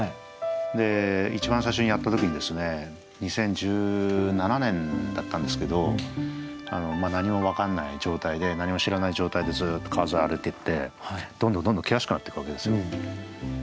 一番最初にやった時に２０１７年だったんですけど何も分かんない状態で何も知らない状態でずっと川沿い歩いていってどんどんどんどん険しくなってくわけですよ。